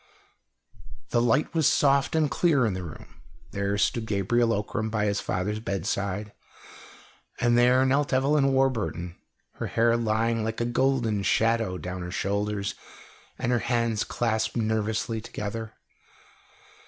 The light was soft and clear in the room. There stood Gabriel Ockram by his father's bedside, and there knelt Evelyn Warburton, her hair lying like a golden shadow down her shoulders, and her hands clasped nervously together.